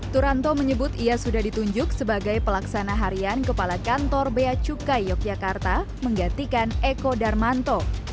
turanto menyebut ia sudah ditunjuk sebagai pelaksana harian kepala kantor beacukai yogyakarta menggantikan eko darmanto